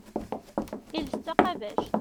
Iles d taqabact.